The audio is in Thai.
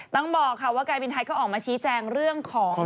ต้องบอกค่ะว่าการบินไทยก็ออกมาชี้แจงเรื่องของ